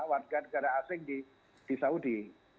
warga negara asing di saudi